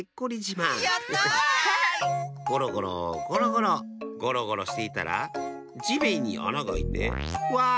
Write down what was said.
ゴロゴロゴロゴロゴロゴロしていたらじめんにあながあいてわ！